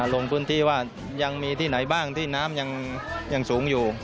ลงพื้นที่ว่ายังมีที่ไหนบ้างที่น้ำยังสูงอยู่